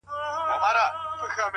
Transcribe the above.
هر څوک خپله کيسه وايي تل-